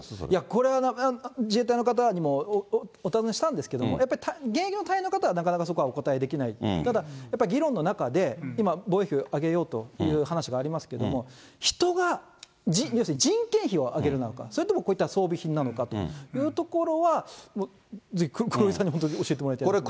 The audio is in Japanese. これはなかなか、自衛隊の方にもお尋ねしたんですけれども、やっぱり現役の隊員の方はなかなかそこはお答えできないって、ただやっぱり議論の中で、今、防衛費を上げようという話がありますけれども、人が、要するに人件費を上げるのか、それともこういった装備品なのかというところは、黒井さんに本当に教えてもらいたいです。